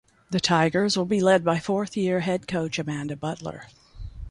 The Tigers will be led by fourth year head coach Amanda Butler.